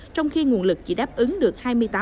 trong khi nguồn lực chỉ đáp ứng được hai mươi tám